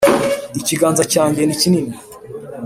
ikiganza cyanjye ni kinini,